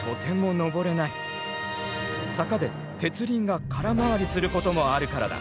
坂で鉄輪が空回りすることもあるからだ。